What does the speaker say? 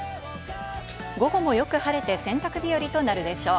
今後もよく晴れて洗濯日和となるでしょう。